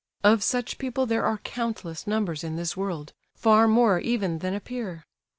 Of such people there are countless numbers in this world—far more even than appear.